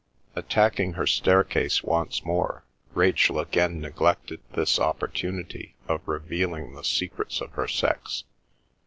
Attacking her staircase once more, Rachel again neglected this opportunity of revealing the secrets of her sex.